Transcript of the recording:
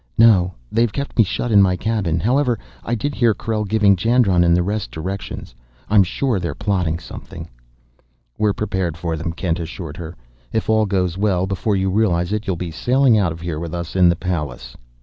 "No; they've kept me shut in my cabin. However, I did hear Krell giving Jandron and the rest directions. I'm sure they're plotting something." "We're prepared for them," Kent assured her. "If all goes well, before you realize it, you'll be sailing out of here with us in the Pallas."